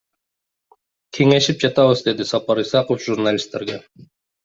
Кеңешип жатабыз, — деди Сапар Исаков журналисттерге.